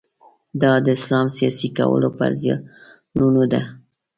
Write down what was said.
دا د اسلام سیاسي کولو پر زیانونو ده.